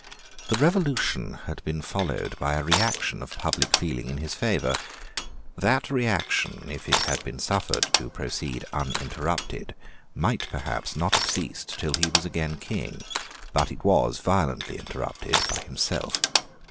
The Revolution had been followed by a reaction of public feeling in his favour. That reaction, if it had been suffered to proceed uninterrupted, might perhaps not have ceased till he was again King: but it was violently interrupted by himself.